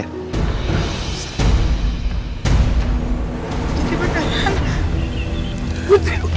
jadi bener kan